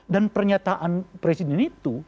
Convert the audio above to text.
dan pernyataan presiden itu